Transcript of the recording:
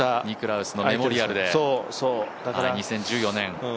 ニクラウスのメモリアルで、２０１４年。